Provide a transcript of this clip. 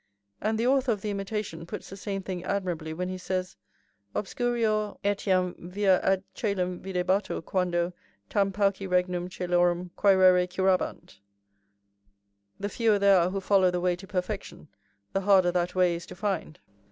And the author of the Imitation puts the same thing admirably when he says: "Obscurior etiam via ad coelum videbatur quando tam pauci regnum coelorum quaerere curabant,"+ the fewer there are who follow the way to perfection, the harder that way is to find.